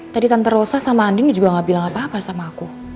tadi tante rosa sama andin juga gak bilang apa apa sama aku